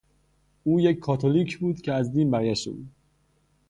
او یک کاتولیک بود که از دین برگشته بود.